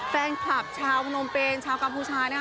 แฟนคลับชาวพนมเป็นชาวกัมพูชา